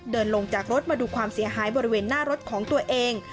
เดินลงจากรถมาดูความเสียหายบริเวณหน้ารถของตัวเอง